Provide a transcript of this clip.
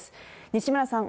西村さん